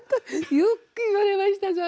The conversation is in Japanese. よく言われましたそれ。